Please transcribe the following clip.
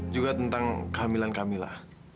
juga tentang kehamilan kak mila